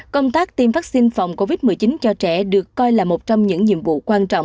công tác tiêm vaccine phòng covid một mươi chín cho trẻ được coi là một trong những nhiệm vụ quan trọng